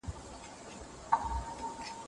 تاسو به د نورو په پرمختګ خوښیږئ.